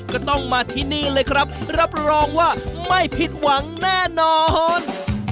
ก็ต้องมาที่นี่เลยครับรับรองว่าไม่ผิดหวังแน่นอน